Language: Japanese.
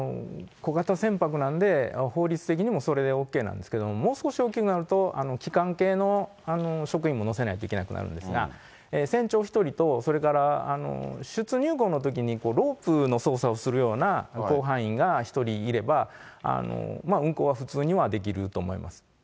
小型船舶なんで、法律的にもそれでＯＫなんですけど、もう少し大きくなると、きかん系の職員も乗せないといけなくなるんですが、船長１人とそれから出入港のときにロープの操作をするような甲板員が１人いれば、運航は普通にはできると思います。